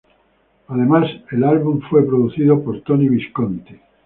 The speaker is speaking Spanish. Además el álbum fue producido por Tony Visconti.